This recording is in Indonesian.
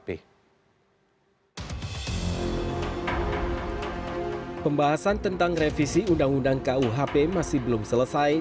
pembahasan tentang revisi undang undang kuhp masih belum selesai